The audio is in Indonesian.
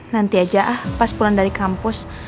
nanti aja ah pas pulang dari kampus